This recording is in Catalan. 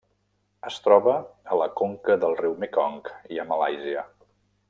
Es troba a la conca del riu Mekong i a Malàisia.